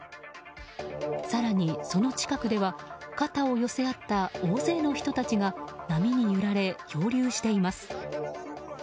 更に、その近くでは肩を寄せ合った大勢の人たちが波に揺られ漂流しています。